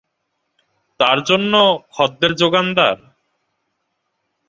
তার জন্য খদ্দের জোগানদার?